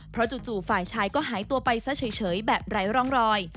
เพราะจู่ฝ่ายชายก็หายตัวไปซะเฉยแบบไร้ร่องรอย